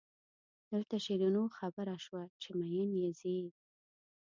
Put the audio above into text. دلته شیرینو خبره شوه چې مئین یې ځي.